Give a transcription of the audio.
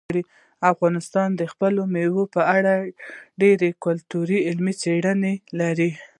افغانستان د خپلو مېوو په اړه ډېرې ګټورې علمي څېړنې لري.